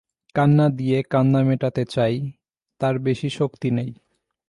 কান্না দিয়ে কান্না মেটাতে চাই, তার বেশি শক্তি নেই।